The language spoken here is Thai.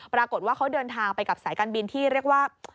ปรากฏว่าเขาเดินทางไปกับสายการบินที่เรียกว่า